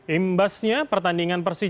imbasnya pertandingan persija